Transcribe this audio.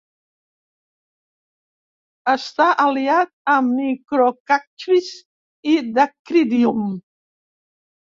Està aliat amb "Microcachrys" i "Dacrydium".